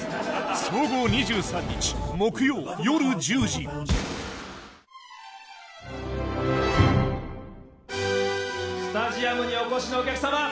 総合２３日木曜夜１０時スタジアムにお越しのお客様！